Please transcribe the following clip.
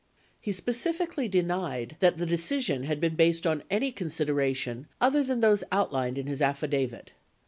14 He specifically denied that the decision had been based on any con sideration other than those outlined in his affidavit.